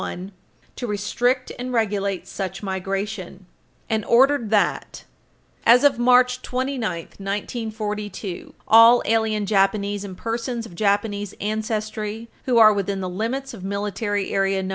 1, to restrict and regulate such migration, and ordered that, as of March 29, 1942," "all alien Japanese and persons of Japanese ancestry who are within the limits of Military Area No.